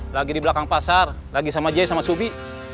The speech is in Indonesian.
lagi di belakang pasar lagi sama jaya sama subi